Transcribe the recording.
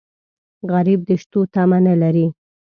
غریب د شتو تمه نه لري